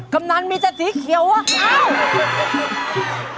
กำนั้นมีแต่สีเขียวอ่ะเอ้า